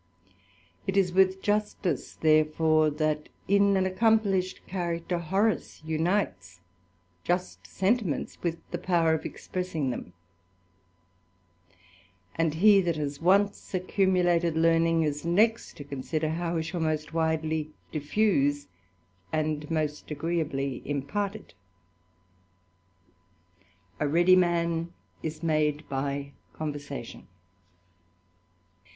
It is with justice, therefore, that in an accomplished rharacter, Horace unites just sentiments with the power of 230 THE ADVENTURER. expressing them ; and he that has once accumulated lear*^ ing, is next to consider, how he shall most widely diffi^^ and most agreeably impart it A ready man is made by conversation.